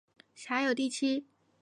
辖有第七。